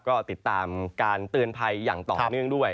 ก็ติดตามการเตือนภัยอย่างต่อเนื่องด้วย